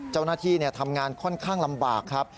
เจ้าหน้าที่ทำงานค่อนข้างลำบากครับ